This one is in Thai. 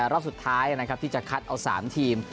รอบสุดท้ายที่จะคัดเอาสามทีม